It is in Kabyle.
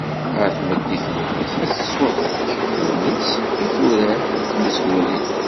Ɣer tmeddit n wass, ad tettunefk tegnit i turart n tmezgunin.